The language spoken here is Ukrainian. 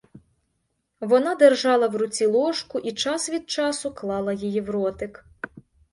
Вона держала в руці ложку і час від часу клала її в ротик.